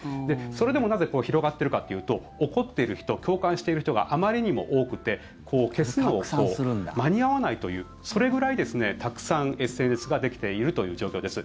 それでもなぜ広がっているかというと怒っている人、共感している人があまりにも多くて消すのが間に合わないというそれくらいたくさんＳＮＳができているという状況です。